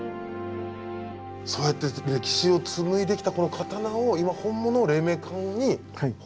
そうやって歴史を紡いできたこの刀を今本物を黎明館に保管して。